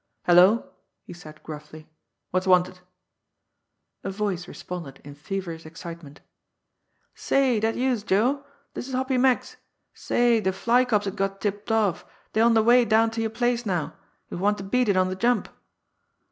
"Hello!" he said gruffly. "What's wanted?" A voice responded in feverish excitement: "Say, dat youse, Joe? Dis is Hoppy Meggs. Say, de fly cops has got tipped off; dey're on de way down to yer place now. Youse want to beat it on de jump!"